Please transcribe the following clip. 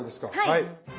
はい。